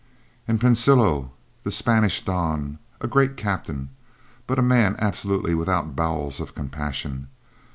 "And Pensilo, the Spanish Don! A great captain, but a man absolutely without bowels of compassion.